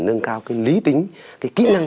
nâng cao cái lý tính cái kỹ năng